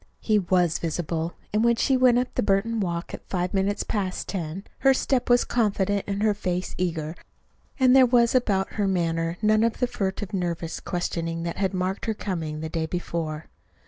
He was visible and when she went up the Burton walk at five minutes past ten, her step was confident and her face eager; and there was about her manner none of the furtive, nervous questioning that had marked her coming the day before.